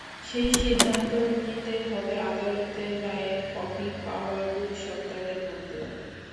সেই সিদ্ধান্তও নিতে হবে আদালতের রায়ের কপি পাওয়ার দুই সপ্তাহের মধ্যে।